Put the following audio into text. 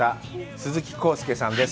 鈴木浩介さんです。